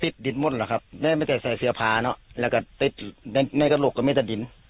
ติดดินหมดเหรอครับไม่ได้ใส่เสื้อพาเนอะแล้วก็ติดนั่นก็หลบก็ไม่ได้ดิน